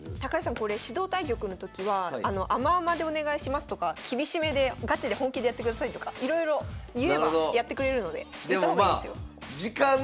これ指導対局のときは甘々でお願いしますとか厳しめでガチで本気でやってくださいとかいろいろ言えばやってくれるので言った方がいいですよ。